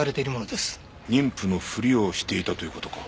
妊婦のふりをしていたという事か。